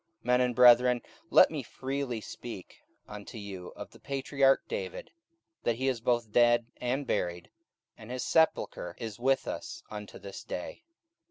44:002:029 Men and brethren, let me freely speak unto you of the patriarch David, that he is both dead and buried, and his sepulchre is with us unto this day.